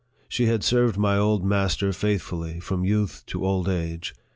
She had served my old master faith fully from youth to old age.